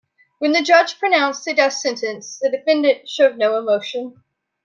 When the judge pronounced the death sentence, the defendant showed no emotion.